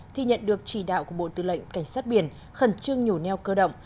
thì nhận được chỉ đạo của bộ tư lệnh cảnh sát biển khẩn trương nhổ neo cơ động